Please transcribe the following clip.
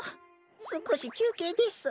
すこしきゅうけいです。